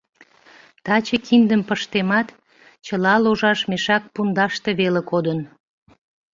Таче киндым пыштемат — чыла ложаш мешак пундаште веле кодын.